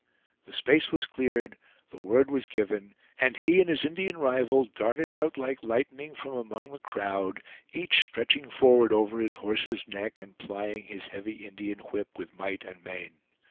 The space was cleared, the word was given, and he and his Indian rival darted out like lightning from among the crowd, each stretching forward over his horse's neck and plying his heavy Indian whip with might and main.